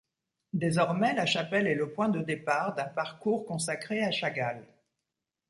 Désormais la chapelle est le point départ d'un parcours consacré à Chagall.